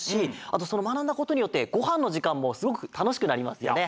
あとそのまなんだことによってごはんのじかんもすごくたのしくなりますよね。